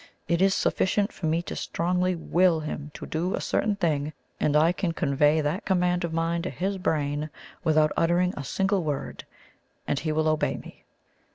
It is sufficient for me to strongly WILL him to do a certain thing, and I can convey that command of mine to his brain without uttering a single word, and he will obey me."